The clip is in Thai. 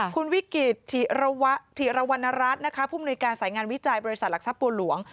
คุณวิกฤตธิรวรรณรัฐนะคะผู้มนุยการสายงานวิจัยบริษัทหลักทรัพย์บัวหลวง